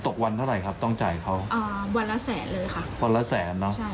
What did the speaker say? ตกวันเท่าไหร่ครับต้องจ่ายเขาวันละแสนเลยค่ะ